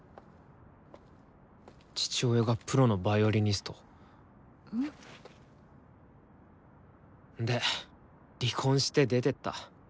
父親がプロのヴァイオリニスト。で離婚して出てった。